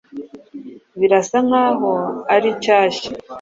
Birasa nkaho ari shyashya.